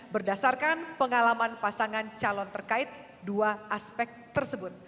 berdasarkan pengalaman pasangan calon terkait dua menit